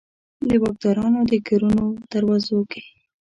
د واکدارانو د کورونو دروازو کې